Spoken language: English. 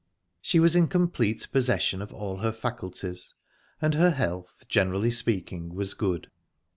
She was in complete possession of all her faculties, and her health, generally speaking, was good.